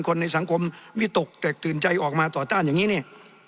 คนในสังคมวิตกแตกตื่นใจออกมาต่อต้านอย่างนี้เนี่ย